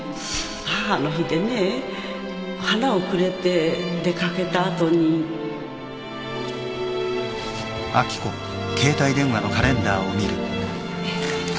母の日でね花をくれて出掛けた後にえっと。